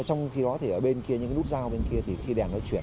trong khi đó thì ở bên kia những nút dao bên kia thì khi đèn nó chuyển